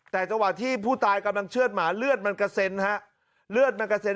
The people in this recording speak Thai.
แต่เวลาที่ผู้ตายกำลังเชื่อดหมาเลือดมันกระเซ็น